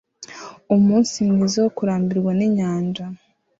Umunsi mwiza wo kurambirwa ninyanja